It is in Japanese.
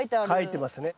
書いてますね。